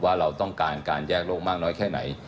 ว่าเราต้องการการแยกโลกมากน้อยแค่ไหน